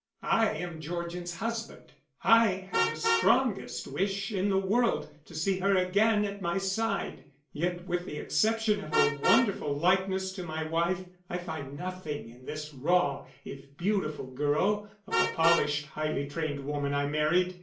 I am Georgian's husband. I have the strongest wish in the world to see her again at my side; yet with the exception of her wonderful likeness to my wife, I find nothing in this raw if beautiful girl, of the polished, highly trained woman I married.